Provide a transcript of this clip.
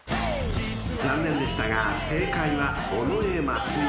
［残念でしたが正解は尾上松也］